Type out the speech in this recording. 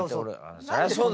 そりゃそうだ！